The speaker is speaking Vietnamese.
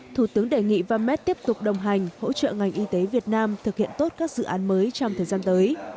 thủ tướng đề nghị vamed tiếp tục đồng hành hỗ trợ ngành y tế việt nam thực hiện tốt các dự án mới trong thời gian tới